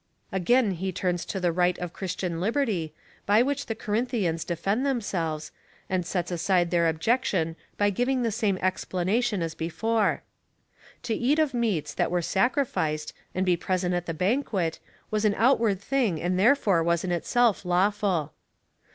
Again he returns to the right of Christian liberty, by which the Corinthians de fended themselves, and sets aside their objection by giving the same explanation as before. " To eat of meats that were sacrificed, and be present at the banquet, was an out ward thing, and therefore was in itself lawful."'